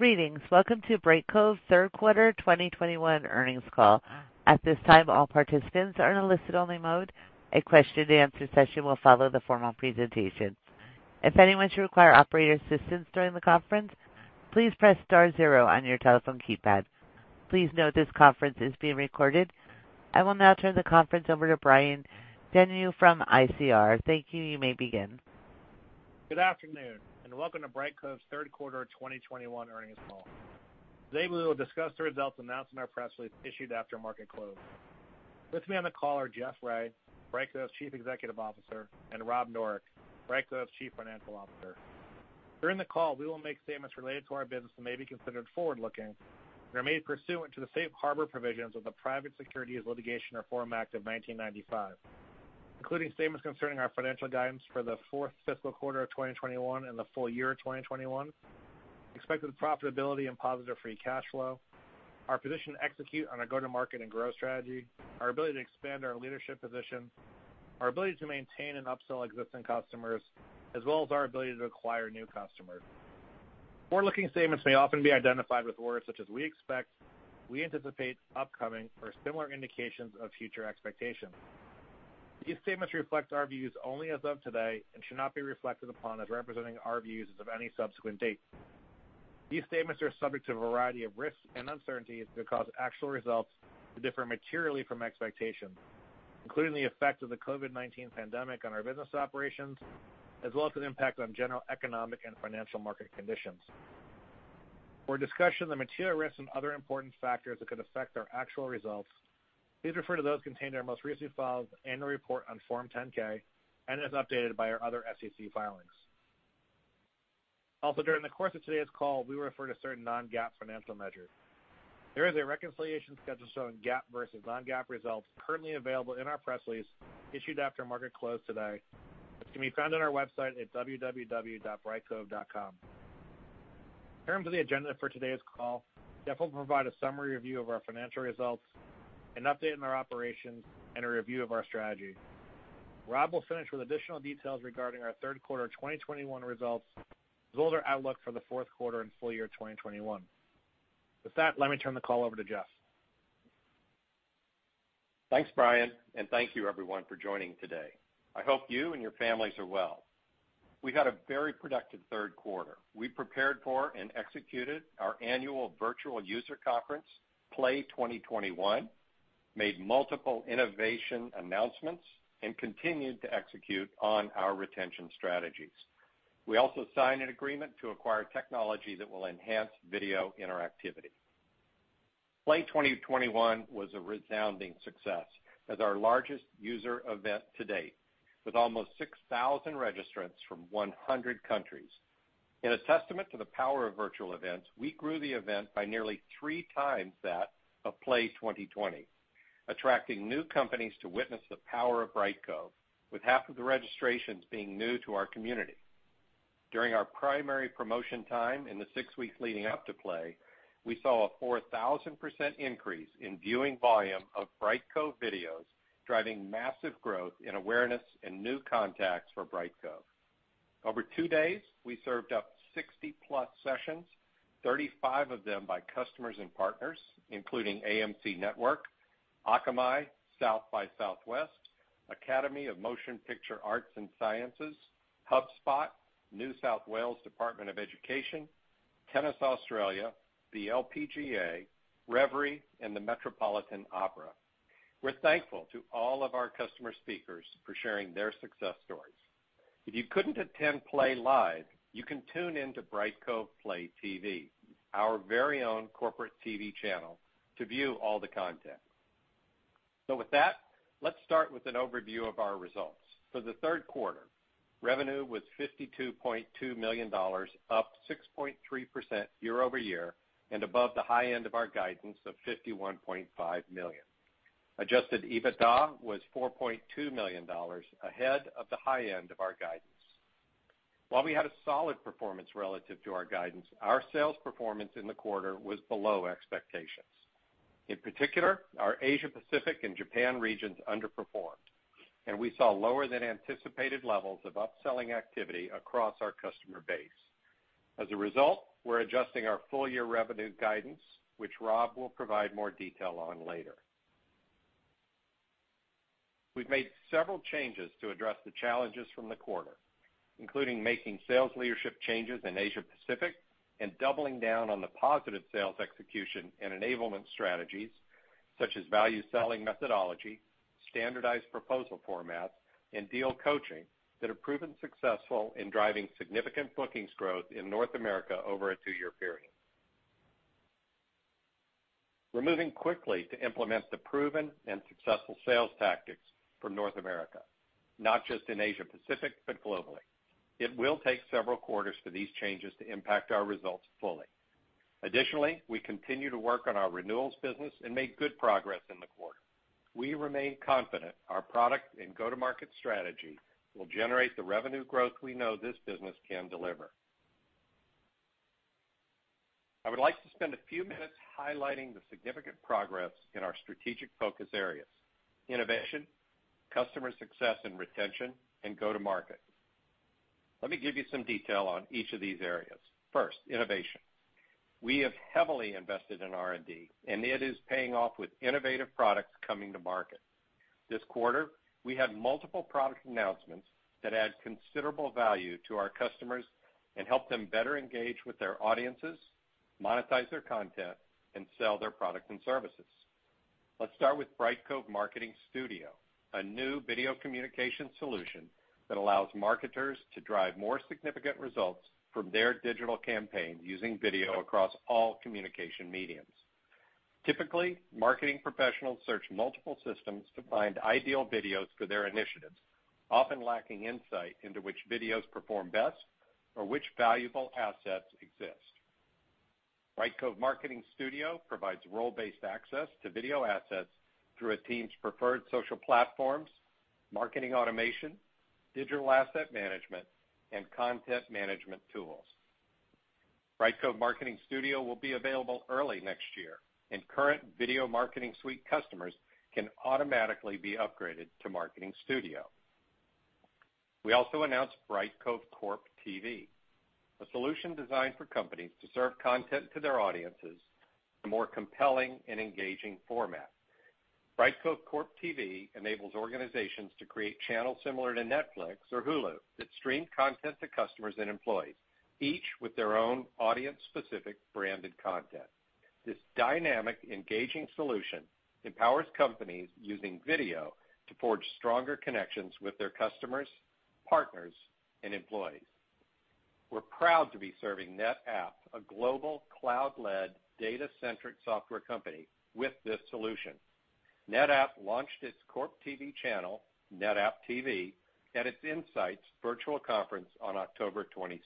Greetings. Welcome to Brightcove's third quarter 2021 earnings call. At this time, all participants are in a listen-only mode. A question and answer session will follow the formal presentation. If anyone should require operator assistance during the conference, please press star zero on your telephone keypad. Please note this conference is being recorded. I will now turn the conference over to Brian Denyeau from ICR. Thank you. You may begin. Good afternoon and welcome to Brightcove's third quarter 2021 earnings call. Today, we will discuss the results announced in our press release issued after market close. With me on the call are Jeff Ray, Brightcove's Chief Executive Officer, and Rob Noreck, Brightcove's Chief Financial Officer. During the call, we will make statements related to our business that may be considered forward-looking and are made pursuant to the safe harbor provisions of the Private Securities Litigation Reform Act of 1995, including statements concerning our financial guidance for the fourth fiscal quarter of 2021 and the full year of 2021, expected profitability and positive free cash flow, our position to execute on our go-to-market and growth strategy, our ability to expand our leadership position, our ability to maintain and upsell existing customers, as well as our ability to acquire new customers. Forward-looking statements may often be identified with words such as we expect, we anticipate, upcoming, or similar indications of future expectations. These statements reflect our views only as of today and should not be reflected upon as representing our views as of any subsequent date. These statements are subject to a variety of risks and uncertainties that cause actual results to differ materially from expectations, including the effect of the COVID-19 pandemic on our business operations, as well as an impact on general economic and financial market conditions. For a discussion of the material risks and other important factors that could affect our actual results, please refer to those contained in our most recent filed annual report on Form 10-K and as updated by our other SEC filings. Also, during the course of today's call, we will refer to certain non-GAAP financial measures. There is a reconciliation schedule showing GAAP versus non-GAAP results currently available in our press release issued after market close today, which can be found on our website at www.brightcove.com. In terms of the agenda for today's call, Jeff will provide a summary review of our financial results, an update on our operations, and a review of our strategy. Rob will finish with additional details regarding our third quarter 2021 results, as well as our outlook for the fourth quarter and full year 2021. With that, let me turn the call over to Jeff. Thanks, Brian, and thank you everyone for joining today. I hope you and your families are well. We had a very productive third quarter. We prepared for and executed our annual virtual user conference, PLAY 2021, made multiple innovation announcements, and continued to execute on our retention strategies. We also signed an agreement to acquire technology that will enhance video interactivity. PLAY 2021 was a resounding success as our largest user event to date, with almost 6,000 registrants from 100 countries. In a testament to the power of virtual events, we grew the event by nearly three times that of PLAY 2020, attracting new companies to witness the power of Brightcove, with half of the registrations being new to our community. During our primary promotion time in the six weeks leading up to PLAY, we saw a 4,000% increase in viewing volume of Brightcove videos, driving massive growth in awareness and new contacts for Brightcove. Over two days, we served up 60+ sessions, 35 of them by customers and partners, including AMC Networks, Akamai, South by Southwest, Academy of Motion Picture Arts and Sciences, HubSpot, New South Wales Department of Education, Tennis Australia, the LPGA, Revry, and the Metropolitan Opera. We're thankful to all of our customer speakers for sharing their success stories. If you couldn't attend PLAY live, you can tune in to Brightcove PLAY TV, our very own corporate TV channel, to view all the content. With that, let's start with an overview of our results. For the third quarter, revenue was $52.2 million, up 6.3% year-over-year and above the high end of our guidance of $51.5 million. Adjusted EBITDA was $4.2 million ahead of the high end of our guidance. While we had a solid performance relative to our guidance, our sales performance in the quarter was below expectations. In particular, our Asia Pacific and Japan regions underperformed, and we saw lower than anticipated levels of upselling activity across our customer base. As a result, we're adjusting our full-year revenue guidance, which Rob will provide more detail on later. We've made several changes to address the challenges from the quarter, including making sales leadership changes in Asia Pacific and doubling down on the positive sales execution and enablement strategies, such as value selling methodology, standardized proposal formats, and deal coaching that have proven successful in driving significant bookings growth in North America over a two-year period. We're moving quickly to implement the proven and successful sales tactics for North America, not just in Asia Pacific, but globally. It will take several quarters for these changes to impact our results fully. Additionally, we continue to work on our renewals business and made good progress in the quarter. We remain confident our product and go-to-market strategy will generate the revenue growth we know this business can deliver. I would like to spend a few minutes highlighting the significant progress in our strategic focus areas, innovation, customer success and retention, and go-to-market. Let me give you some detail on each of these areas. First, innovation. We have heavily invested in R&D, and it is paying off with innovative products coming to market. This quarter, we had multiple product announcements that add considerable value to our customers and help them better engage with their audiences, monetize their content, and sell their products and services. Let's start with Brightcove Marketing Studio, a new video communication solution that allows marketers to drive more significant results from their digital campaign using video across all communication mediums. Typically, marketing professionals search multiple systems to find ideal videos for their initiatives, often lacking insight into which videos perform best or which valuable assets exist. Brightcove Marketing Studio provides role-based access to video assets through a team's preferred social platforms, marketing automation, digital asset management, and content management tools. Brightcove Marketing Studio will be available early next year, and current Video Marketing Suite customers can automatically be upgraded to Marketing Studio. We also announced Brightcove CorpTV, a solution designed for companies to serve content to their audiences in a more compelling and engaging format. Brightcove CorpTV enables organizations to create channels similar to Netflix or Hulu that stream content to customers and employees, each with their own audience-specific branded content. This dynamic, engaging solution empowers companies using video to forge stronger connections with their customers, partners, and employees. We're proud to be serving NetApp, a global cloud-led data-centric software company, with this solution. NetApp launched its CorpTV channel, NetApp TV, at its Insights virtual conference on October 22.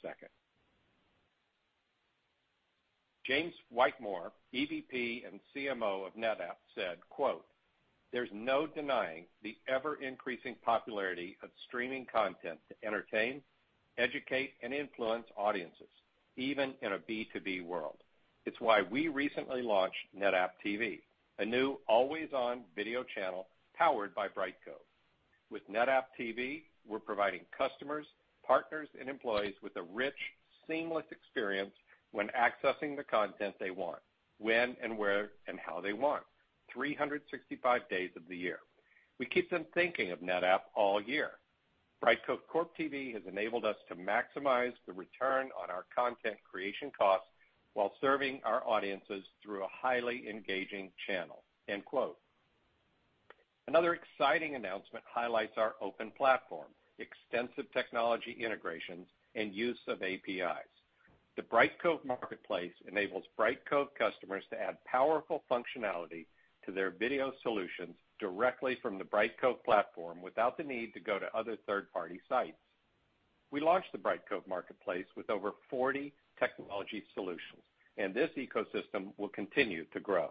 James Whitemore, EVP and CMO of NetApp, said, “There's no denying the ever-increasing popularity of streaming content to entertain, educate, and influence audiences, even in a B2B world.” It's why we recently launched NetApp TV, a new always-on video channel powered by Brightcove. With NetApp TV, we're providing customers, partners, and employees with a rich, seamless experience when accessing the content they want, when and where, and how they want, 365 days of the year. We keep them thinking of NetApp all year. Brightcove CorpTV has enabled us to maximize the return on our content creation costs while serving our audiences through a highly engaging channel. End quote. Another exciting announcement highlights our open platform, extensive technology integrations, and use of APIs. The Brightcove Marketplace enables Brightcove customers to add powerful functionality to their video solutions directly from the Brightcove platform without the need to go to other third-party sites. We launched the Brightcove Marketplace with over 40 technology solutions, and this ecosystem will continue to grow.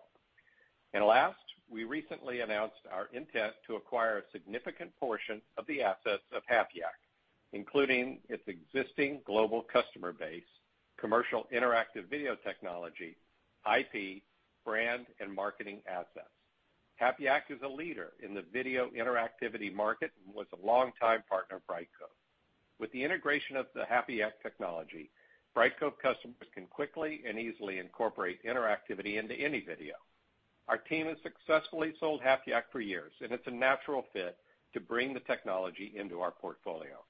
Last, we recently announced our intent to acquire a significant portion of the assets of HapYak, including its existing global customer base, commercial interactive video technology, IP, brand, and marketing assets. HapYak is a leader in the video interactivity market and was a longtime partner of Brightcove. With the integration of the HapYak technology, Brightcove customers can quickly and easily incorporate interactivity into any video. Our team has successfully sold HapYak for years, and it's a natural fit to bring the technology into our portfolio.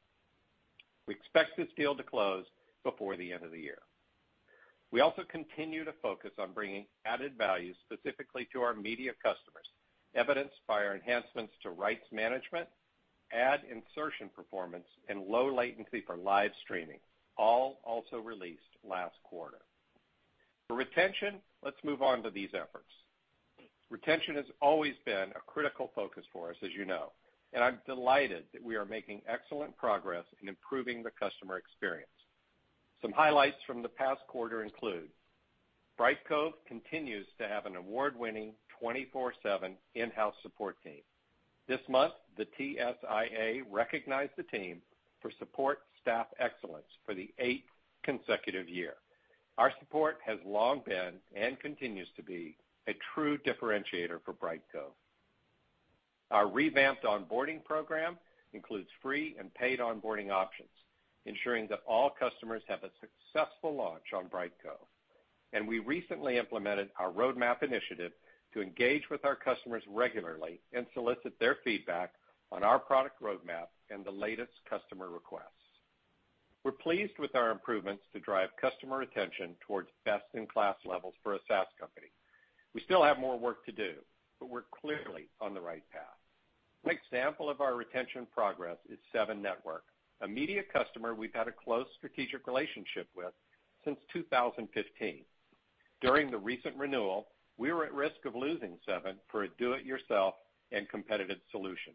We expect this deal to close before the end of the year. We also continue to focus on bringing added value specifically to our media customers, evidenced by our enhancements to rights management, ad insertion performance, and low latency for live streaming, all also released last quarter. For retention, let's move on to these efforts. Retention has always been a critical focus for us, as you know, and I'm delighted that we are making excellent progress in improving the customer experience. Some highlights from the past quarter include Brightcove continues to have an award-winning 24/7 in-house support team. This month, the TSIA recognized the team for support staff excellence for the eighth consecutive year. Our support has long been and continues to be a true differentiator for Brightcove. Our revamped onboarding program includes free and paid onboarding options, ensuring that all customers have a successful launch on Brightcove. We recently implemented our roadmap initiative to engage with our customers regularly and solicit their feedback on our product roadmap and the latest customer requests. We're pleased with our improvements to drive customer retention towards best-in-class levels for a SaaS company. We still have more work to do, but we're clearly on the right path. One example of our retention progress is Seven Network, a media customer we've had a close strategic relationship with since 2015. During the recent renewal, we were at risk of losing Seven for a do-it-yourself and competitive solution.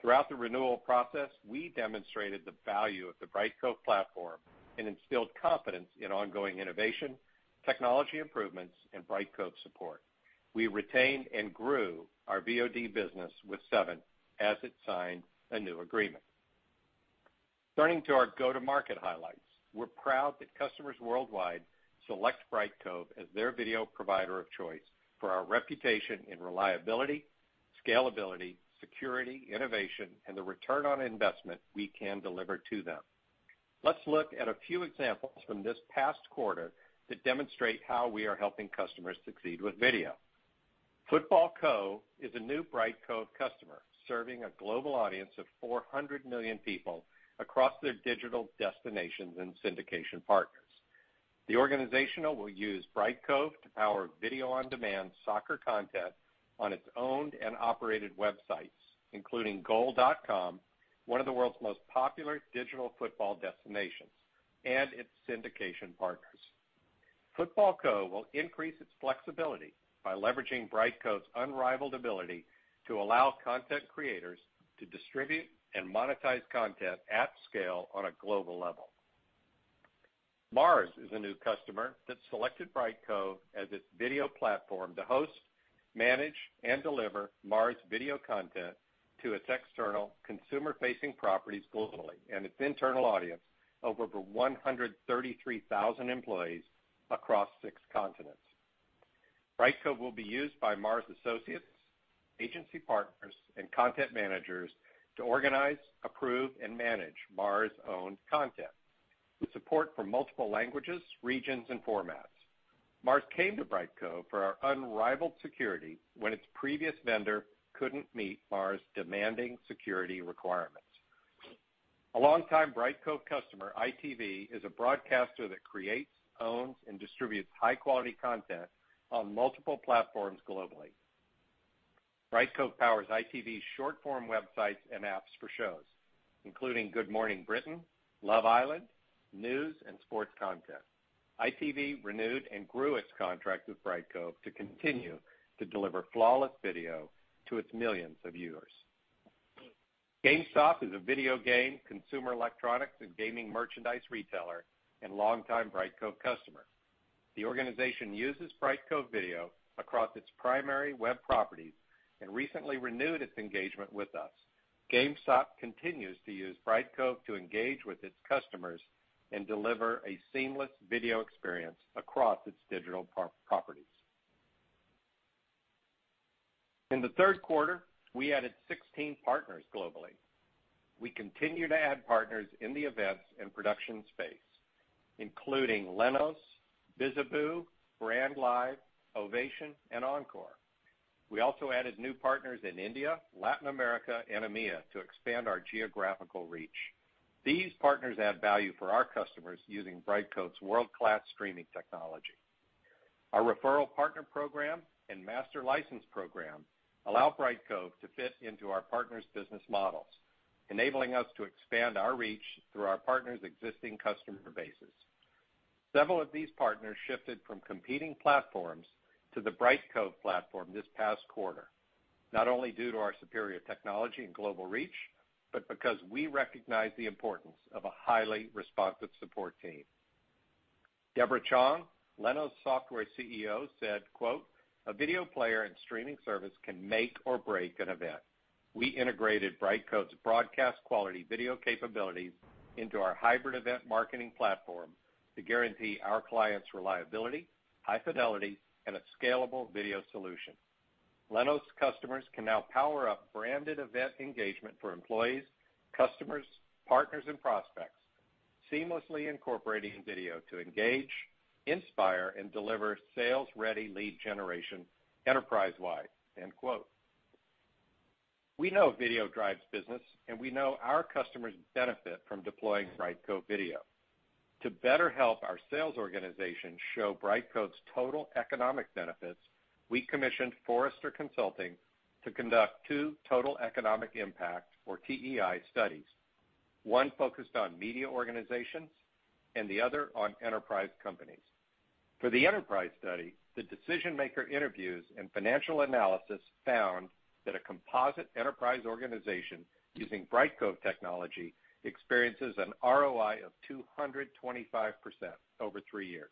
Throughout the renewal process, we demonstrated the value of the Brightcove platform and instilled confidence in ongoing innovation, technology improvements, and Brightcove support. We retained and grew our VOD business with Seven as it signed a new agreement. Turning to our go-to-market highlights. We're proud that customers worldwide select Brightcove as their video provider of choice for our reputation in reliability, scalability, security, innovation, and the return on investment we can deliver to them. Let's look at a few examples from this past quarter to demonstrate how we are helping customers succeed with video. Footballco is a new Brightcove customer, serving a global audience of 400 million people across their digital destinations and syndication partners. The organization will use Brightcove to power video-on-demand soccer content on its owned and operated websites, including goal.com, one of the world's most popular digital football destinations, and its syndication partners. Footballco will increase its flexibility by leveraging Brightcove's unrivaled ability to allow content creators to distribute and monetize content at scale on a global level. Mars is a new customer that selected Brightcove as its video platform to host, manage, and deliver Mars video content to its external consumer-facing properties globally and its internal audience over 133,000 employees across six continents. Brightcove will be used by Mars associates, agency partners, and content managers to organize, approve, and manage Mars-owned content with support for multiple languages, regions, and formats. Mars came to Brightcove for our unrivaled security when its previous vendor couldn't meet Mars' demanding security requirements. A longtime Brightcove customer, ITV, is a broadcaster that creates, owns, and distributes high-quality content on multiple platforms globally. Brightcove powers ITV's short-form websites and apps for shows, including Good Morning Britain, Love Island, news, and sports content. ITV renewed and grew its contract with Brightcove to continue to deliver flawless video to its millions of viewers. GameStop is a video game, consumer electronics, and gaming merchandise retailer and longtime Brightcove customer. The organization uses Brightcove video across its primary web properties and recently renewed its engagement with us. GameStop continues to use Brightcove to engage with its customers and deliver a seamless video experience across its digital properties. In the third quarter, we added 16 partners globally. We continue to add partners in the events and production space, including Lenos, Bizzabo, Brandlive, Ovation, and Encore. We also added new partners in India, Latin America, and EMEA to expand our geographical reach. These partners add value for our customers using Brightcove's world-class streaming technology. Our referral partner program and master license program allow Brightcove to fit into our partners' business models, enabling us to expand our reach through our partners' existing customer bases. Several of these partners shifted from competing platforms to the Brightcove platform this past quarter, not only due to our superior technology and global reach, but because we recognize the importance of a highly responsive support team. Deborah Chong, Lenos Software CEO, said, quote, "A video player and streaming service can make or break an event. We integrated Brightcove's broadcast-quality video capabilities into our hybrid event marketing platform to guarantee our clients reliability, high fidelity, and a scalable video solution. Lenos customers can now power up branded event engagement for employees, customers, partners, and prospects, seamlessly incorporating video to engage, inspire, and deliver sales-ready lead generation enterprise-wide." End quote. We know video drives business, and we know our customers benefit from deploying Brightcove video. To better help our sales organization show Brightcove's total economic benefits, we commissioned Forrester Consulting to conduct two total economic impact, or TEI, studies, one focused on media organizations and the other on enterprise companies. For the enterprise study, the decision-maker interviews and financial analysis found that a composite enterprise organization using Brightcove technology experiences an ROI of 225% over three years.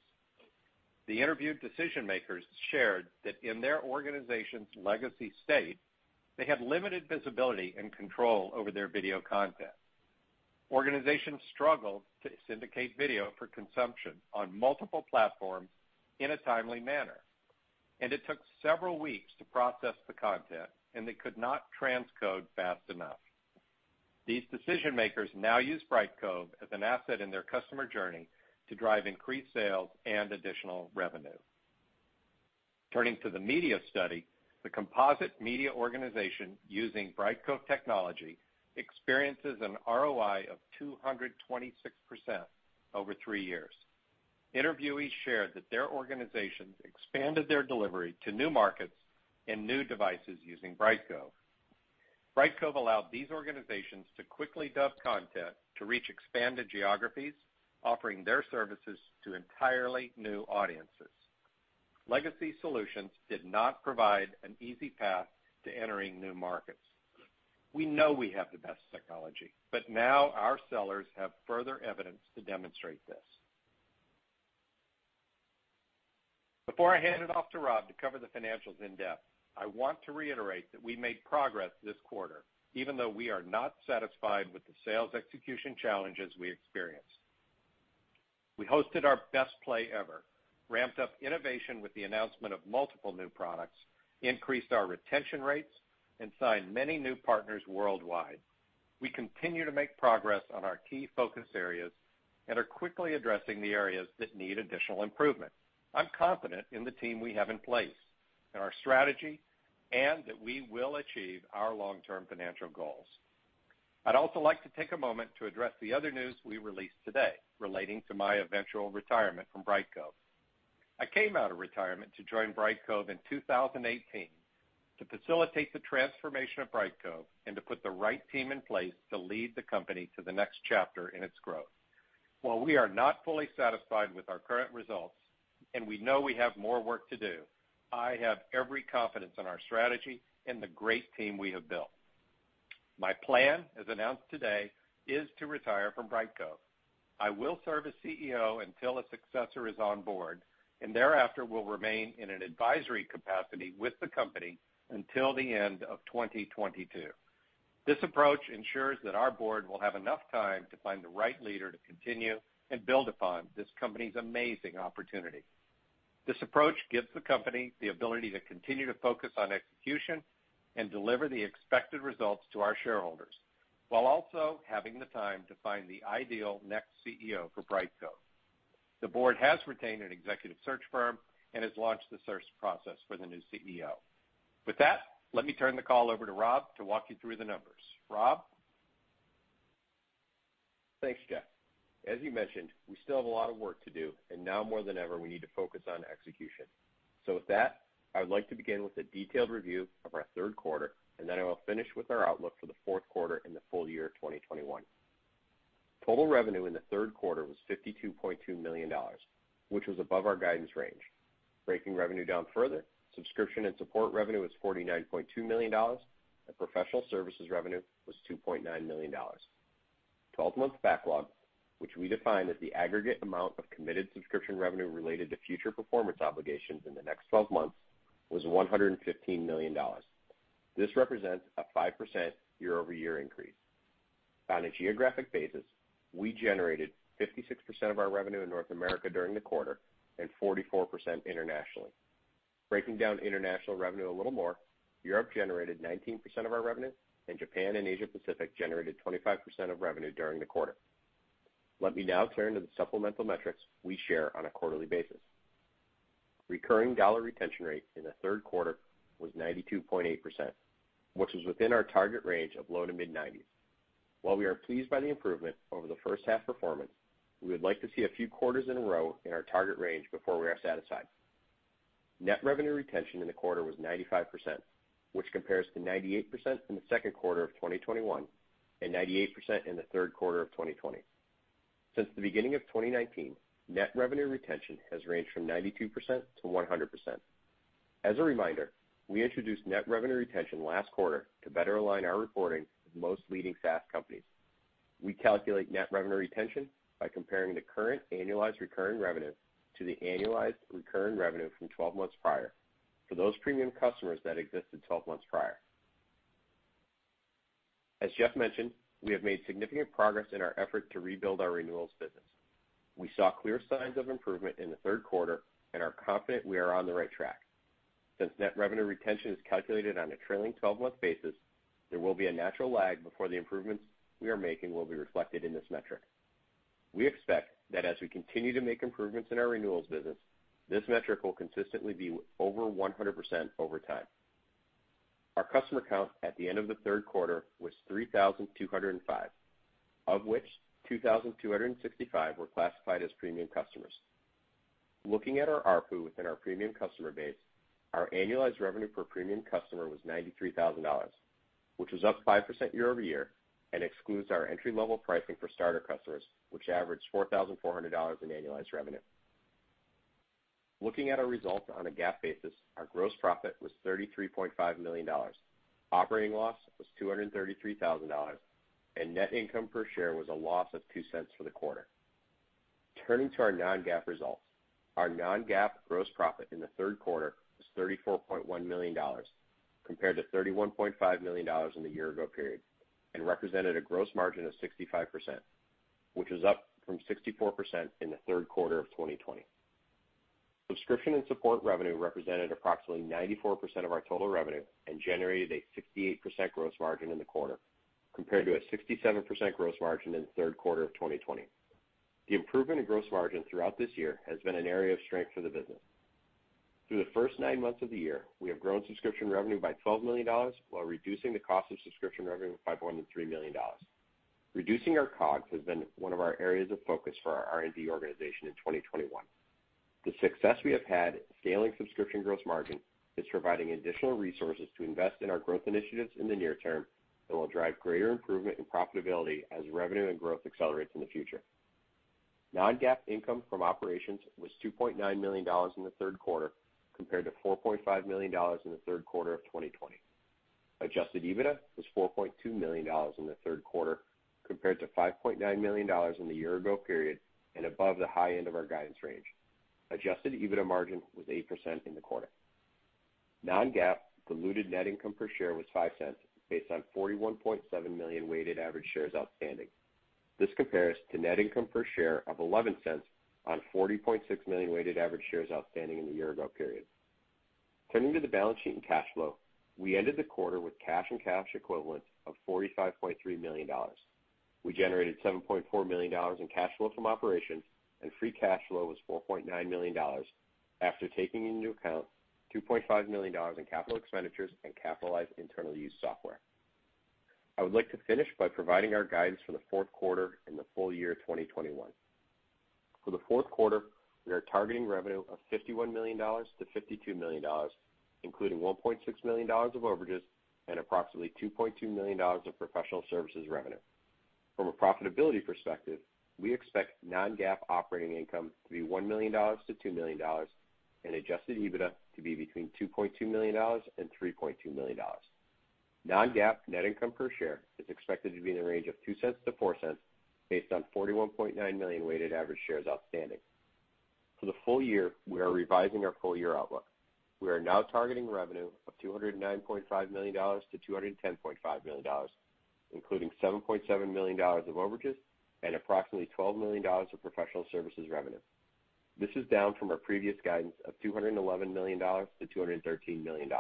The interviewed decision-makers shared that in their organization's legacy state, they had limited visibility and control over their video content. Organizations struggled to syndicate video for consumption on multiple platforms in a timely manner, and it took several weeks to process the content, and they could not transcode fast enough. These decision-makers now use Brightcove as an asset in their customer journey to drive increased sales and additional revenue. Turning to the media study, the composite media organization using Brightcove technology experiences an ROI of 226% over three years. Interviewees shared that their organizations expanded their delivery to new markets and new devices using Brightcove. Brightcove allowed these organizations to quickly dub content to reach expanded geographies, offering their services to entirely new audiences. Legacy solutions did not provide an easy path to entering new markets. We know we have the best technology, but now our sellers have further evidence to demonstrate this. Before I hand it off to Rob to cover the financials in depth, I want to reiterate that we made progress this quarter, even though we are not satisfied with the sales execution challenges we experienced. We hosted our best PLAY ever, ramped up innovation with the announcement of multiple new products, increased our retention rates, and signed many new partners worldwide. We continue to make progress on our key focus areas and are quickly addressing the areas that need additional improvement. I'm confident in the team we have in place, in our strategy, and that we will achieve our long-term financial goals. I'd also like to take a moment to address the other news we released today relating to my eventual retirement from Brightcove. I came out of retirement to join Brightcove in 2018 to facilitate the transformation of Brightcove and to put the right team in place to lead the company to the next chapter in its growth. While we are not fully satisfied with our current results, and we know we have more work to do, I have every confidence in our strategy and the great team we have built. My plan, as announced today, is to retire from Brightcove. I will serve as CEO until a successor is on board, and thereafter will remain in an advisory capacity with the company until the end of 2022. This approach ensures that our board will have enough time to find the right leader to continue and build upon this company's amazing opportunity. This approach gives the company the ability to continue to focus on execution and deliver the expected results to our shareholders, while also having the time to find the ideal next CEO for Brightcove. The board has retained an executive search firm and has launched the search process for the new CEO. With that, let me turn the call over to Rob to walk you through the numbers. Rob? Thanks, Jeff. As you mentioned, we still have a lot of work to do, and now more than ever, we need to focus on execution. With that, I would like to begin with a detailed review of our third quarter, and then I will finish with our outlook for the fourth quarter and the full year 2021. Total revenue in the third quarter was $52.2 million, which was above our guidance range. Breaking revenue down further, subscription and support revenue was $49.2 million, and professional services revenue was $2.9 million. 12-month backlog, which we define as the aggregate amount of committed subscription revenue related to future performance obligations in the next 12 months, was $115 million. This represents a 5% year-over-year increase. On a geographic basis, we generated 56% of our revenue in North America during the quarter and 44% internationally. Breaking down international revenue a little more, Europe generated 19% of our revenue, and Japan and Asia Pacific generated 25% of revenue during the quarter. Let me now turn to the supplemental metrics we share on a quarterly basis. Recurring dollar retention rate in the third quarter was 92.8%, which was within our target range of low to mid-nineties. While we are pleased by the improvement over the first half performance, we would like to see a few quarters in a row in our target range before we are satisfied. Net revenue retention in the quarter was 95%, which compares to 98% in the second quarter of 2021 and 98% in the third quarter of 2020. Since the beginning of 2019, net revenue retention has ranged from 92%-100%. As a reminder, we introduced net revenue retention last quarter to better align our reporting with most leading SaaS companies. We calculate net revenue retention by comparing the current annualized recurring revenue to the annualized recurring revenue from 12 months prior for those premium customers that existed 12 months prior. As Jeff mentioned, we have made significant progress in our effort to rebuild our renewals business. We saw clear signs of improvement in the third quarter and are confident we are on the right track. Since net revenue retention is calculated on a trailing 12-month basis, there will be a natural lag before the improvements we are making will be reflected in this metric. We expect that as we continue to make improvements in our renewals business, this metric will consistently be over 100% over time. Our customer count at the end of the third quarter was 3,205, of which 2,265 were classified as premium customers. Looking at our ARPU within our premium customer base, our annualized revenue per premium customer was $93,000, which was up 5% year-over-year and excludes our entry-level pricing for starter customers, which averaged $4,400 in annualized revenue. Looking at our results on a GAAP basis, our gross profit was $33.5 million. Operating loss was $233,000, and net income per share was a loss of $0.02 for the quarter. Turning to our non-GAAP results. Our non-GAAP gross profit in the third quarter was $34.1 million compared to $31.5 million in the year ago period and represented a gross margin of 65%, which was up from 64% in the third quarter of 2020. Subscription and support revenue represented approximately 94% of our total revenue and generated a 68% gross margin in the quarter compared to a 67% gross margin in the third quarter of 2020. The improvement in gross margin throughout this year has been an area of strength for the business. Through the first nine months of the year, we have grown subscription revenue by $12 million while reducing the cost of subscription revenue by more than $3 million. Reducing our COGS has been one of our areas of focus for our R&D organization in 2021. The success we have had scaling subscription gross margin is providing additional resources to invest in our growth initiatives in the near term that will drive greater improvement in profitability as revenue and growth accelerates in the future. Non-GAAP income from operations was $2.9 million in the third quarter compared to $4.5 million in the third quarter of 2020. Adjusted EBITDA was $4.2 million in the third quarter compared to $5.9 million in the year ago period and above the high end of our guidance range. Adjusted EBITDA margin was 8% in the quarter. Non-GAAP diluted net income per share was $0.05 based on $41.7 million weighted average shares outstanding. This compares to net income per share of $0.11 on 40.6 million weighted average shares outstanding in the year ago period. Turning to the balance sheet and cash flow, we ended the quarter with cash and cash equivalents of $45.3 million. We generated $7.4 million in cash flow from operations, and free cash flow was $4.9 million after taking into account $2.5 million in capital expenditures and capitalized internal use software. I would like to finish by providing our guidance for the fourth quarter and the full year 2021. For the fourth quarter, we are targeting revenue of $51 million-$52 million, including $1.6 million of overages and approximately $2.2 million of professional services revenue. From a profitability perspective, we expect non-GAAP operating income to be $1 million-$2 million and Adjusted EBITDA to be between $2.2 million and $3.2 million. Non-GAAP net income per share is expected to be in the range of $0.02-$0.04 based on 41.9 million weighted average shares outstanding. For the full year, we are revising our full year outlook. We are now targeting revenue of $209.5 million-$210.5 million, including $7.7 million of overages and approximately $12 million of professional services revenue. This is down from our previous guidance of $211 million-$213 million.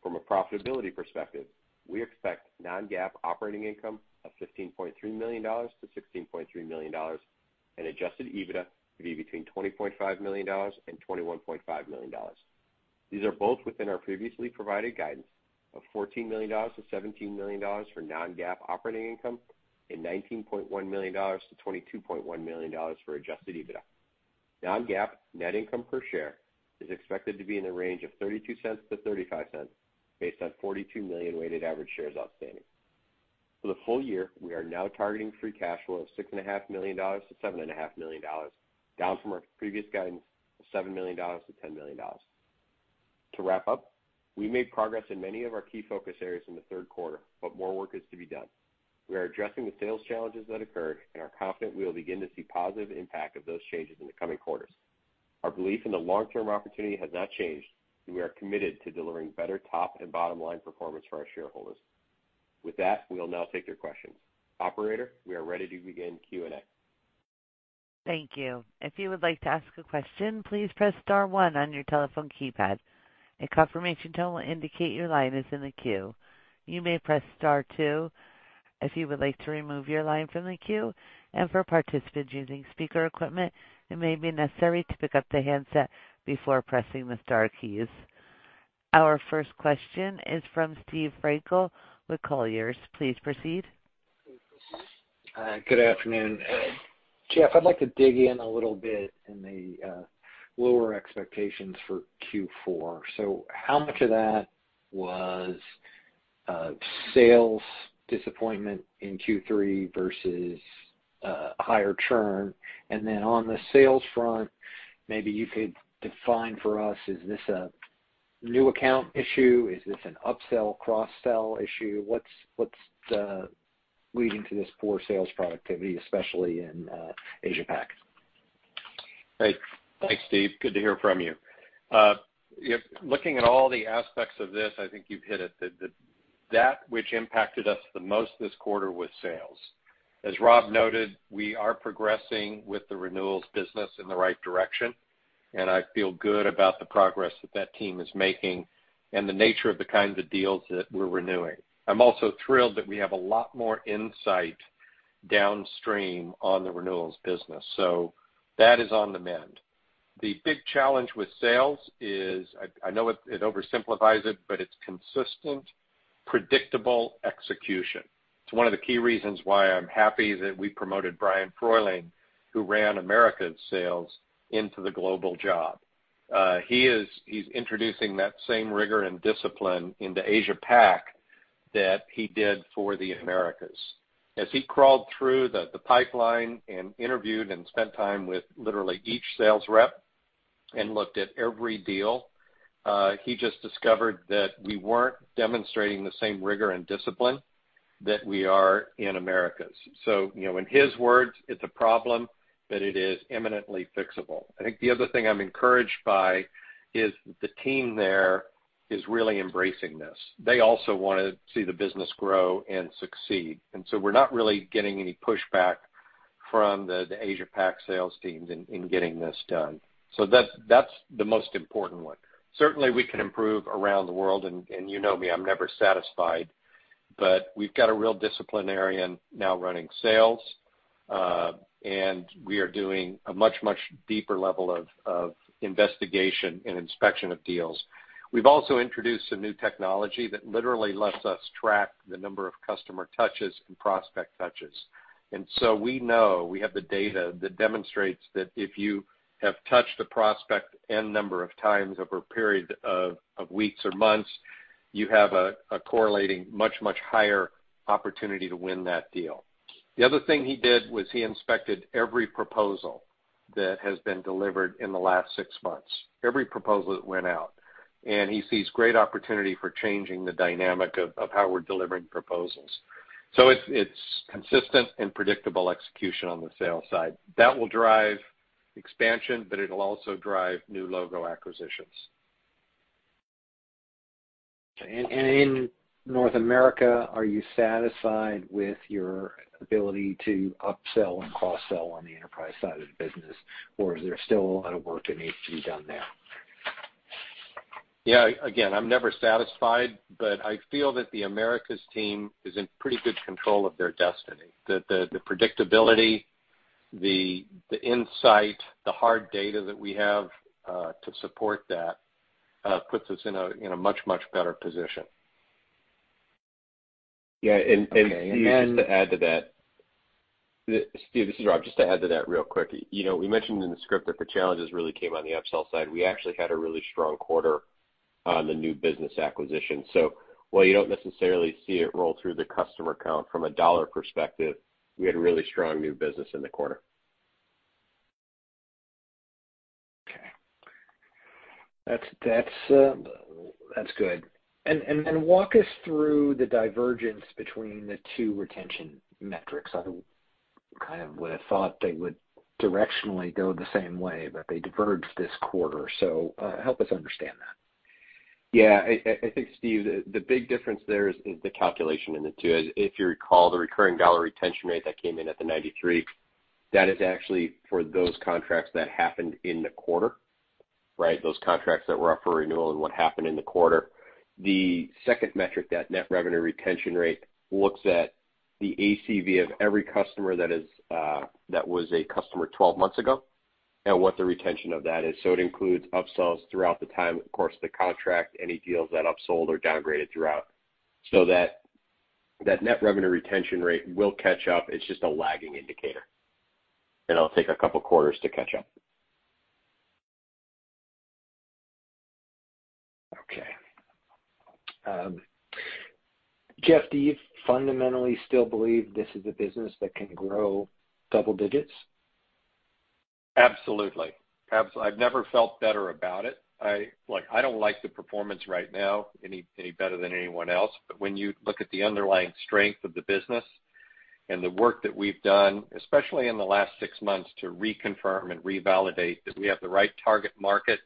From a profitability perspective, we expect non-GAAP operating income of $15.3 million-$16.3 million and Adjusted EBITDA to be between $20.5 million and $21.5 million. These are both within our previously provided guidance of $14 million-$17 million for non-GAAP operating income and $19.1 million-$22.1 million for Adjusted EBITDA. Non-GAAP net income per share is expected to be in the range of $0.32-$0.35 based on 42 million weighted average shares outstanding. For the full year, we are now targeting free cash flow of $6.5 million-$7.5 million, down from our previous guidance of $7 million-$10 million. To wrap up, we made progress in many of our key focus areas in the third quarter, but more work is to be done. We are addressing the sales challenges that occurred and are confident we will begin to see positive impact of those changes in the coming quarters. Our belief in the long-term opportunity has not changed, and we are committed to delivering better top and bottom line performance for our shareholders. With that, we will now take your questions. Operator, we are ready to begin Q&A. Thank you. If you would like to ask a question, please press star one on your telephone keypad. A confirmation tone will indicate your line is in the queue. You may press star two if you would like to remove your line from the queue, and for participants using speaker equipment, it may be necessary to pick up the handset before pressing the star keys. Our first question is from Steve Frankel with Colliers. Please proceed. Good afternoon. Jeff, I'd like to dig in a little bit in the lower expectations for Q4. How much of that was sales disappointment in Q3 versus higher churn? On the sales front, maybe you could define for us, is this a new account issue? Is this an upsell, cross-sell issue? What's leading to this poor sales productivity, especially in Asia Pac? Great. Thanks, Steve. Good to hear from you. Yep, looking at all the aspects of this, I think you've hit it, that which impacted us the most this quarter was sales. As Rob noted, we are progressing with the renewals business in the right direction, and I feel good about the progress that that team is making and the nature of the kinds of deals that we're renewing. I'm also thrilled that we have a lot more insight downstream on the renewals business. So that is on the mend. The big challenge with sales is, I know it oversimplifies it, but it's consistent, predictable execution. It's one of the key reasons why I'm happy that we promoted Brian Frohling, who ran Americas sales, into the global job. He's introducing that same rigor and discipline into Asia Pac that he did for the Americas. As he crawled through the pipeline and interviewed and spent time with literally each sales rep and looked at every deal, he just discovered that we weren't demonstrating the same rigor and discipline that we are in Americas. You know, in his words, it's a problem, but it is imminently fixable. I think the other thing I'm encouraged by is the team there is really embracing this. They also wanna see the business grow and succeed. We're not really getting any pushback from the Asia Pac sales teams in getting this done. That's the most important one. Certainly, we can improve around the world, and you know me, I'm never satisfied. We've got a real disciplinarian now running sales, and we are doing a much deeper level of investigation and inspection of deals. We've also introduced a new technology that literally lets us track the number of customer touches and prospect touches. We know, we have the data that demonstrates that if you have touched a prospect a number of times over a period of weeks or months, you have a correlating much, much higher opportunity to win that deal. The other thing he did was he inspected every proposal. That has been delivered in the last six months, every proposal that went out. He sees great opportunity for changing the dynamic of how we're delivering proposals. It's consistent and predictable execution on the sales side. That will drive expansion, but it'll also drive new logo acquisitions. In North America, are you satisfied with your ability to upsell and cross-sell on the enterprise side of the business, or is there still a lot of work that needs to be done there? Yeah, again, I'm never satisfied, but I feel that the Americas team is in pretty good control of their destiny. The predictability, the insight, the hard data that we have to support that puts us in a much better position. Yeah. Steve- Okay. Just to add to that, Steve, this is Rob. Just to add to that real quick. You know, we mentioned in the script that the challenges really came on the upsell side. We actually had a really strong quarter on the new business acquisition. While you don't necessarily see it roll through the customer count from a dollar perspective, we had a really strong new business in the quarter. Okay. That's good. Walk us through the divergence between the two retention metrics. I kind of would have thought they would directionally go the same way, but they diverged this quarter. Help us understand that. Yeah. I think, Steve, the big difference there is the calculation in it, too. If you recall, the Recurring Dollar Retention Rate that came in at 93%, that is actually for those contracts that happened in the quarter, right? Those contracts that were up for renewal and what happened in the quarter. The second metric, that Net Revenue Retention Rate, looks at the ACV of every customer that was a customer 12 months ago and what the retention of that is. So it includes upsells throughout the time, of course, the contract, any deals that upsold or downgraded throughout. So that Net Revenue Retention Rate will catch up. It's just a lagging indicator, and it'll take a couple quarters to catch up. Okay. Jeff, do you fundamentally still believe this is a business that can grow double digits? Absolutely. I've never felt better about it. Like, I don't like the performance right now any better than anyone else. When you look at the underlying strength of the business and the work that we've done, especially in the last six months, to reconfirm and revalidate that we have the right target market,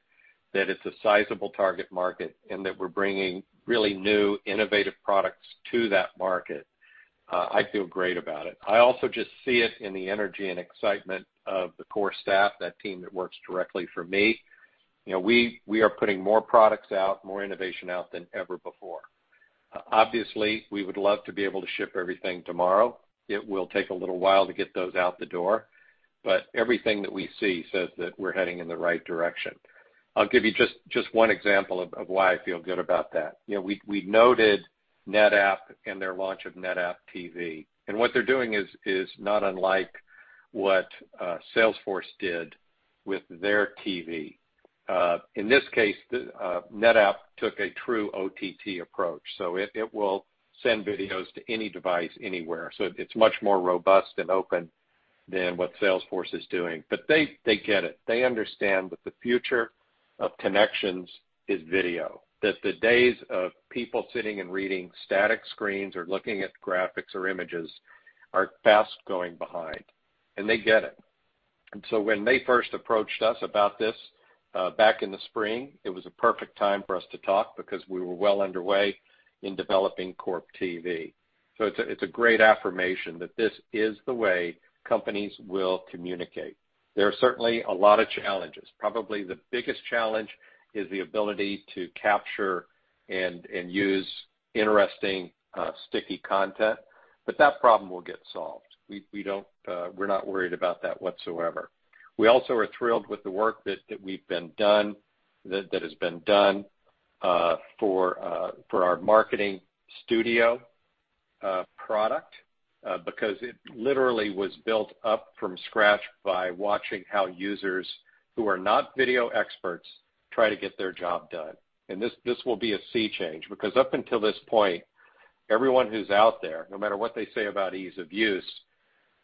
that it's a sizable target market, and that we're bringing really new, innovative products to that market, I feel great about it. I also just see it in the energy and excitement of the core staff, that team that works directly for me. You know, we are putting more products out, more innovation out than ever before. Obviously, we would love to be able to ship everything tomorrow. It will take a little while to get those out the door, but everything that we see says that we're heading in the right direction. I'll give you just one example of why I feel good about that. You know, we noted NetApp and their launch of NetApp TV, and what they're doing is not unlike what Salesforce did with their TV. In this case, the NetApp took a true OTT approach, so it will send videos to any device anywhere. So it's much more robust and open than what Salesforce is doing. But they get it. They understand that the future of connections is video, that the days of people sitting and reading static screens or looking at graphics or images are fast going behind, and they get it. When they first approached us about this, back in the spring, it was a perfect time for us to talk because we were well underway in developing CorpTV. It's a great affirmation that this is the way companies will communicate. There are certainly a lot of challenges. Probably the biggest challenge is the ability to capture and use interesting, sticky content, but that problem will get solved. We're not worried about that whatsoever. We also are thrilled with the work that has been done for our Marketing Studio product because it literally was built up from scratch by watching how users who are not video experts try to get their job done. This will be a sea change because up until this point, everyone who's out there, no matter what they say about ease of use,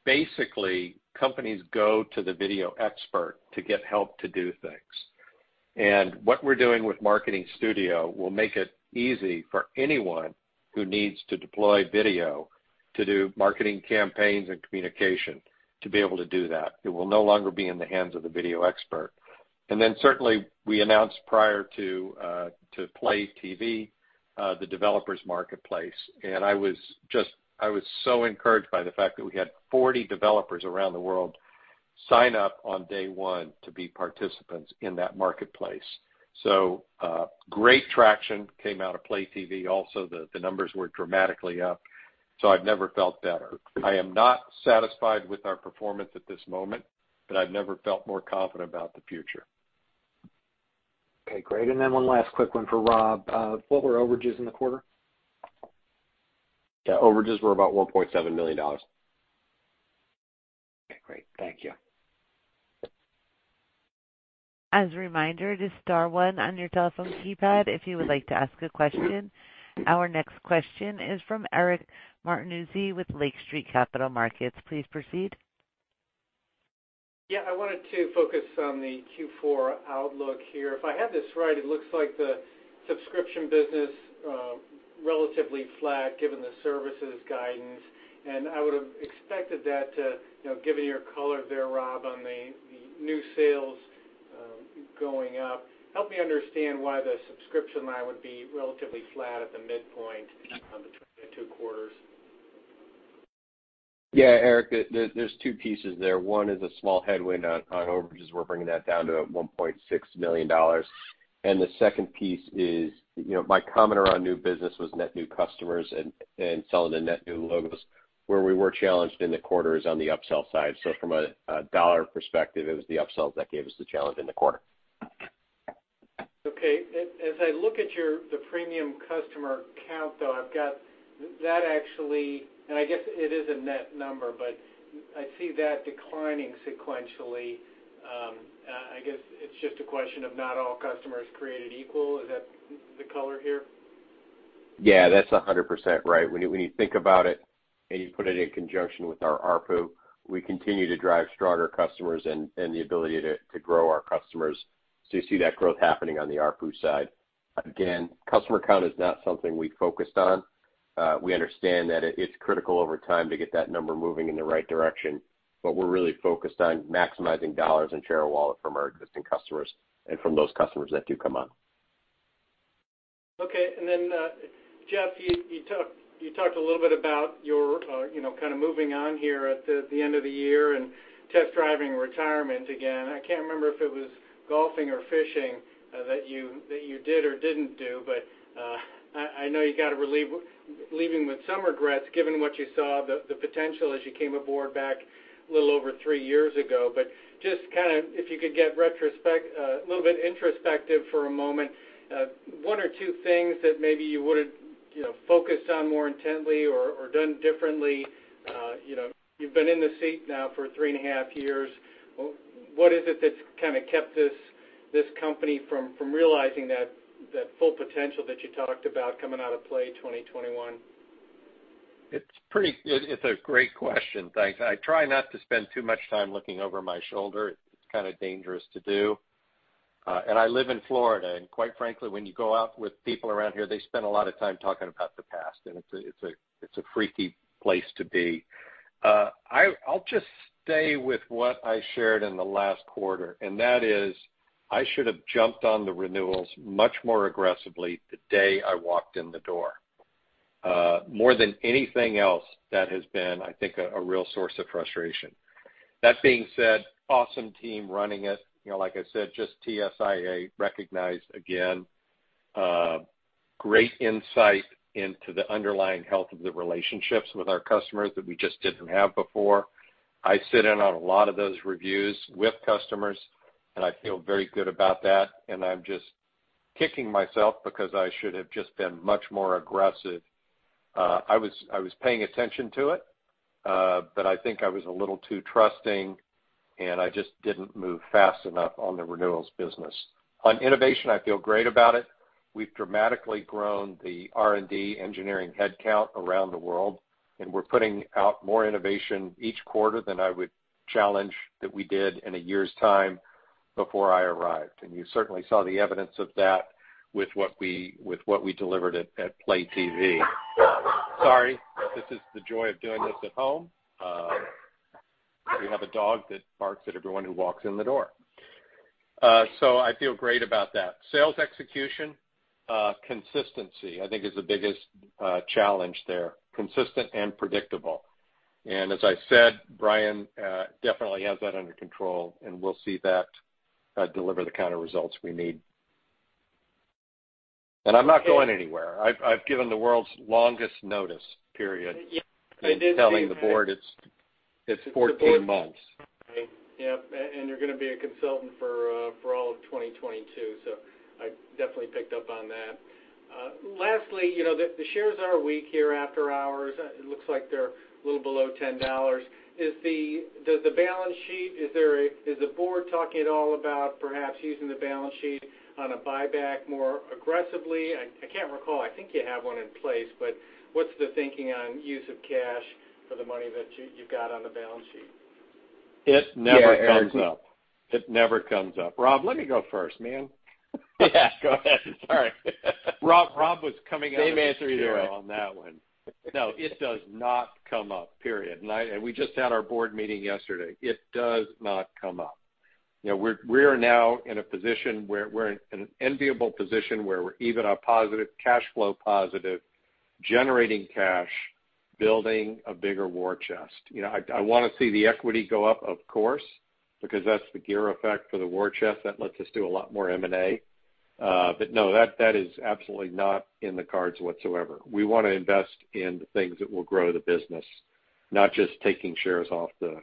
basically, companies go to the video expert to get help to do things. What we're doing with Marketing Studio will make it easy for anyone who needs to deploy video to do marketing campaigns and communication to be able to do that. It will no longer be in the hands of the video expert. Then certainly we announced prior to Play TV the developers' marketplace. I was so encouraged by the fact that we had 40 developers around the world sign up on day one to be participants in that marketplace. Great traction came out of Play TV. The numbers were dramatically up, so I've never felt better. I am not satisfied with our performance at this moment, but I've never felt more confident about the future. Okay, great. One last quick one for Rob. What were overages in the quarter? Yeah, overages were about $1.7 million. Okay, great. Thank you. As a reminder, just star one on your telephone keypad if you would like to ask a question. Our next question is from Eric Martinuzzi with Lake Street Capital Markets. Please proceed. Yeah, I wanted to focus on the Q4 outlook here. If I have this right, it looks like the subscription business relatively flat given the services guidance. I would have expected that to, you know, given your color there, Rob, on the new sales going up. Help me understand why the subscription line would be relatively flat at the midpoint between the two quarters. Yeah, Eric, there's two pieces there. One is a small headwind on overages. We're bringing that down to $1.6 million. The second piece is, you know, my comment around new business was net new customers and selling the net new logos where we were challenged in the quarter is on the upsell side. From a dollar perspective, it was the upsells that gave us the challenge in the quarter. Okay. As I look at your premium customer count, though, I've got that actually and I guess it is a net number, but I see that declining sequentially. I guess it's just a question of not all customers created equal. Is that the color here? Yeah, that's 100% right. When you think about it, and you put it in conjunction with our ARPU, we continue to drive stronger customers and the ability to grow our customers. You see that growth happening on the ARPU side. Again, customer count is not something we focused on. We understand that it's critical over time to get that number moving in the right direction, but we're really focused on maximizing dollars and share of wallet from our existing customers and from those customers that do come on. Okay. Jeff, you talked a little bit about your, you know, kind of moving on here at the end of the year and test driving retirement again. I can't remember if it was golfing or fishing that you did or didn't do, but I know you're leaving with some regrets given what you saw the potential as you came aboard back a little over three years ago. Just kind of if you could get a little bit introspective for a moment, one or two things that maybe you would've, you know, focused on more intently or done differently. You've been in the seat now for three and a half years. What is it that's kind of kept this company from realizing that full potential that you talked about coming out of PLAY 2021? It's a great question. Thanks. I try not to spend too much time looking over my shoulder. It's kind of dangerous to do. I live in Florida, and quite frankly, when you go out with people around here, they spend a lot of time talking about the past, and it's a freaky place to be. I'll just stay with what I shared in the last quarter, and that is I should have jumped on the renewals much more aggressively the day I walked in the door. More than anything else, that has been, I think, a real source of frustration. That being said, awesome team running it. You know, like I said, just TSIA recognized again, great insight into the underlying health of the relationships with our customers that we just didn't have before. I sit in on a lot of those reviews with customers, and I feel very good about that, and I'm just kicking myself because I should have just been much more aggressive. I was paying attention to it, but I think I was a little too trusting, and I just didn't move fast enough on the renewals business. On innovation, I feel great about it. We've dramatically grown the R&D engineering headcount around the world, and we're putting out more innovation each quarter than I would challenge that we did in a year's time before I arrived. You certainly saw the evidence of that with what we delivered at PLAY TV. Sorry, this is the joy of doing this at home. We have a dog that barks at everyone who walks in the door. I feel great about that. Sales execution consistency, I think is the biggest challenge there. Consistent and predictable. As I said, Brian definitely has that under control, and we'll see that deliver the kind of results we need. I'm not going anywhere. I've given the world's longest notice period in telling the board it's 14 months. Yeah. You're gonna be a consultant for all of 2022, so I definitely picked up on that. Lastly, you know, the shares are weak here after hours. It looks like they're a little below $10. Is the board talking at all about perhaps using the balance sheet on a buyback more aggressively? I can't recall. I think you have one in place, but what's the thinking on use of cash for the money that you've got on the balance sheet? It never comes up. Yeah, Eric. It never comes up. Rob, let me go first, man. Yeah, go ahead. Sorry. Rob was coming out. Same answer either way. On that one. No, it does not come up, period. We just had our board meeting yesterday. It does not come up. You know, we're now in a position where we're in an enviable position where we're even cash flow positive, generating cash, building a bigger war chest. You know, I wanna see the equity go up, of course, because that's the gear effect for the war chest. That lets us do a lot more M&A. No, that is absolutely not in the cards whatsoever. We wanna invest in the things that will grow the business, not just taking shares off the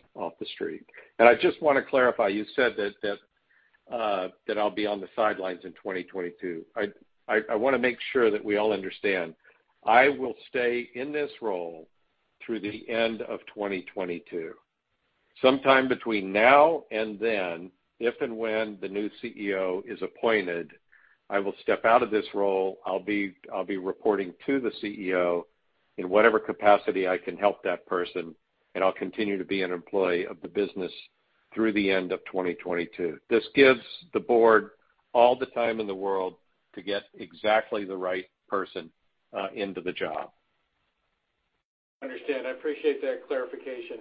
street. I just wanna clarify, you said that I'll be on the sidelines in 2022. I wanna make sure that we all understand. I will stay in this role through the end of 2022. Sometime between now and then, if and when the new CEO is appointed, I will step out of this role. I'll be reporting to the CEO in whatever capacity I can help that person, and I'll continue to be an employee of the business through the end of 2022. This gives the board all the time in the world to get exactly the right person into the job. Understood. I appreciate that clarification.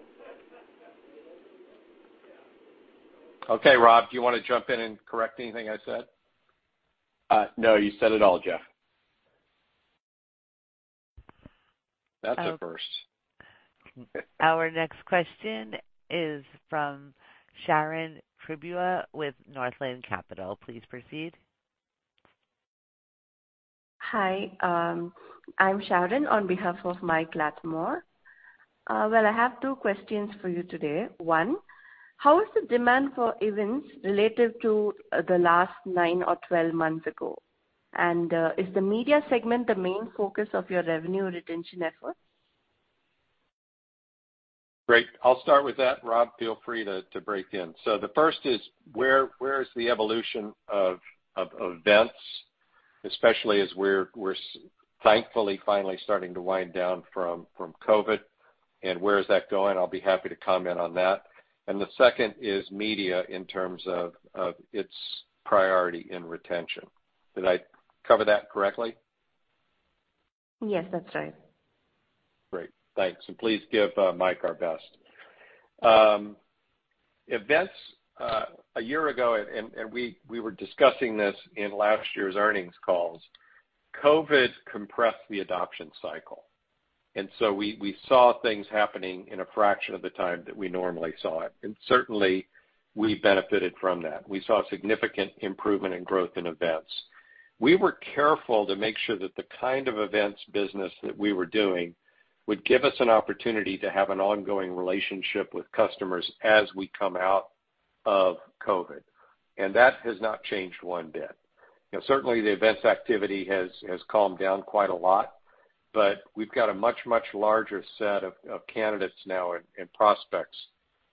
Okay, Rob, do you wanna jump in and correct anything I said? No, you said it all, Jeff. That's a first. Our next question is from Sharon Fibula with Northland Capital. Please proceed. Hi, I'm Sharon on behalf of Mike Latimore. Well, I have two questions for you today. One, how is the demand for events related to the last nine or 12 months ago? Is the media segment the main focus of your revenue retention efforts? Great. I'll start with that. Rob, feel free to break in. The first is where is the evolution of events, especially as we're thankfully finally starting to wind down from COVID, and where is that going? I'll be happy to comment on that. The second is media in terms of its priority in retention. Did I cover that correctly? Yes, that's right. Great. Thanks. Please give Mike our best. Events a year ago, and we were discussing this in last year's earnings calls. COVID compressed the adoption cycle, and so we saw things happening in a fraction of the time that we normally saw it. Certainly we benefited from that. We saw significant improvement and growth in events. We were careful to make sure that the kind of events business that we were doing would give us an opportunity to have an ongoing relationship with customers as we come out of COVID. That has not changed one bit. You know, certainly the events activity has calmed down quite a lot, but we've got a much larger set of candidates now and prospects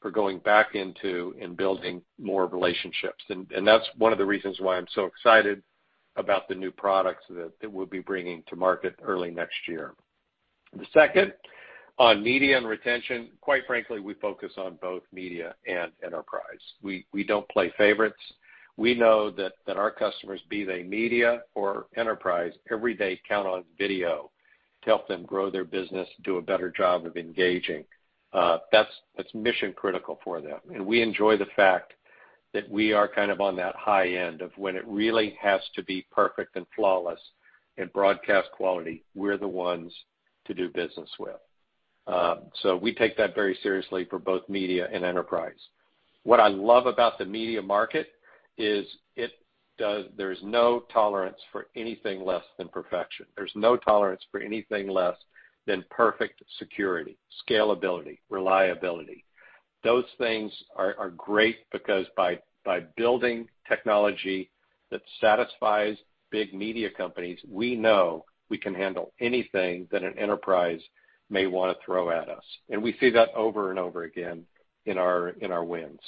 for going back into and building more relationships. That's one of the reasons why I'm so excited about the new products that we'll be bringing to market early next year. The second, on media and retention, quite frankly, we focus on both media and enterprise. We don't play favorites. We know that our customers, be they media or enterprise, every day count on video to help them grow their business, do a better job of engaging. That's mission critical for them. We enjoy the fact that we are kind of on that high end of when it really has to be perfect and flawless in broadcast quality, we're the ones to do business with. So we take that very seriously for both media and enterprise. What I love about the media market is it does. There's no tolerance for anything less than perfection. There's no tolerance for anything less than perfect security, scalability, reliability. Those things are great because by building technology that satisfies big media companies, we know we can handle anything that an enterprise may wanna throw at us, and we see that over and over again in our wins.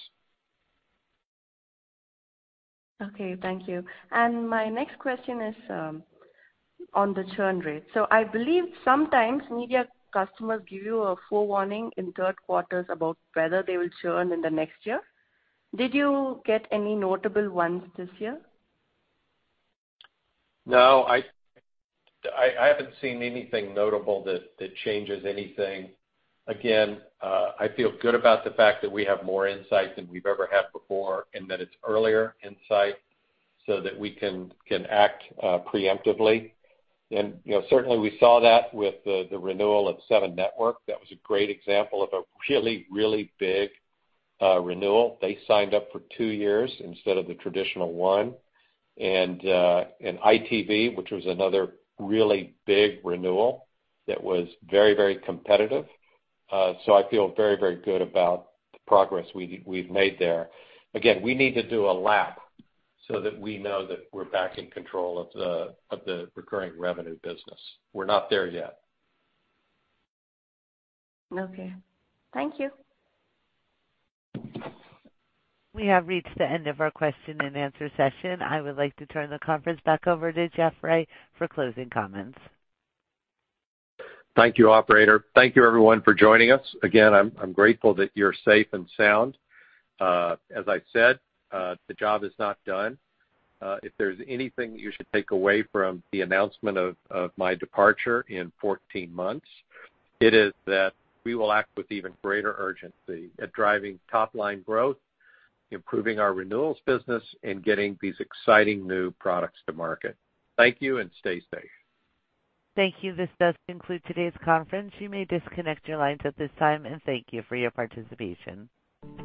Okay, thank you. My next question is, on the churn rate. I believe sometimes media customers give you a forewarning in third quarters about whether they will churn in the next year. Did you get any notable ones this year? No, I haven't seen anything notable that changes anything. Again, I feel good about the fact that we have more insight than we've ever had before, and that it's earlier insight so that we can act preemptively. You know, certainly we saw that with the renewal of Seven Network. That was a great example of a really big renewal. They signed up for two years instead of the traditional one. ITV, which was another really big renewal that was very competitive. I feel very good about the progress we've made there. Again, we need to do a lap so that we know that we're back in control of the recurring revenue business. We're not there yet. Okay. Thank you. We have reached the end of our question-and-answer session. I would like to turn the conference back over to Jeff Ray for closing comments. Thank you, operator. Thank you everyone for joining us. Again, I'm grateful that you're safe and sound. As I said, the job is not done. If there's anything you should take away from the announcement of my departure in 14 months, it is that we will act with even greater urgency at driving top-line growth, improving our renewals business, and getting these exciting new products to market. Thank you, and stay safe. Thank you. This does conclude today's conference. You may disconnect your lines at this time, and thank you for your participation.